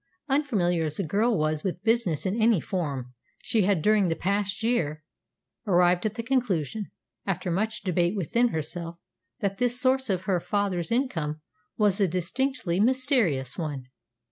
Unfamiliar as the girl was with business in any form, she had during the past year arrived at the conclusion, after much debate within herself, that this source of her father's income was a distinctly mysterious one.